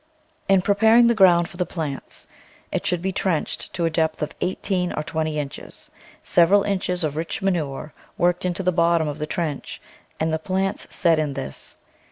In preparing the ground for the plants, it should be trenched to a depth of eighteen or twenty inches, several inches of rich manure worked into the bot tom of the trench, and the plants set in this.